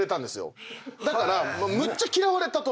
だから。